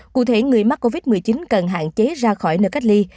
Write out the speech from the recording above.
cụ thể người mắc covid một mươi chín cần hạn chế ra khỏi nơi cách ly